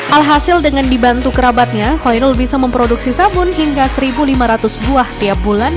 alhasil dengan dibantu kerabatnya hoinul bisa memproduksi sabun hingga satu lima ratus buah tiap bulan